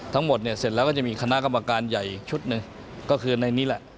ทั้งหมดเนี่ยเสร็จแล้วก็จะมีคณะกรรมการใหญ่ชุดหนึ่งก็คือในนี้แหละ